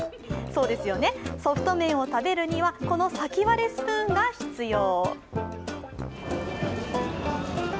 そうですよね、ソフト麺を食べるには、この先割れスプーンが必要。